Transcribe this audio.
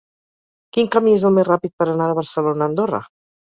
Quin camí és el més ràpid per anar de Barcelona a Andorra?